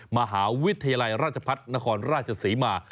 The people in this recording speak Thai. มหาวิทยาลัยราชพัฒนครราชศรีมา